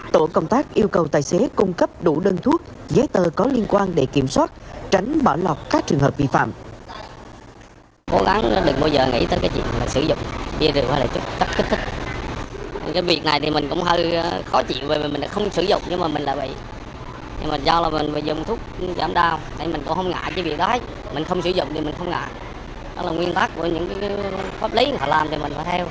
tổ công tác yêu cầu tài xế cung cấp đủ đơn thuốc giấy tờ có liên quan để kiểm soát tránh bỏ lọt các trường hợp vi phạm